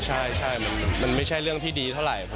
ใช่มันไม่ใช่เรื่องที่ดีเท่าไหร่